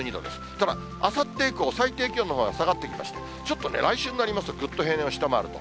ただ、あさって以降、最低気温のほうが下がってきまして、ちょっと来週になりますと、ぐっと平年を下回ると。